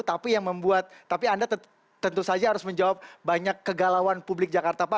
tapi yang membuat tapi anda tentu saja harus menjawab banyak kegalauan publik jakarta pak